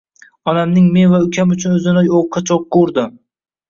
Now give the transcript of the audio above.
Onamning men va ukam uchun o‘zini o‘qqa-cho‘qqa urdi.